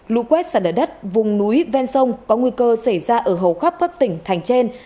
lũ quét sạt lở đất vùng núi ven sông có nguy cơ xảy ra ở hầu khắp các tỉnh thành trên